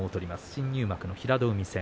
新入幕の平戸海戦。